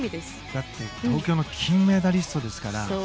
だって東京の金メダリストですから。